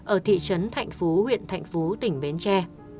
ở thị trấn thạnh phú huyện thạnh phú tỉnh bến tre